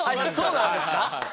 そうなんですか？